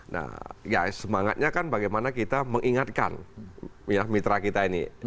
nah ya semangatnya kan bagaimana kita mengingatkan mitra kita ini